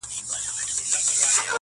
اې ښكلي پاچا سومه چي ستا سومه.